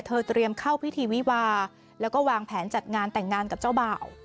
เตรียมเข้าพิธีวิวาแล้วก็วางแผนจัดงานแต่งงานกับเจ้าบ่าว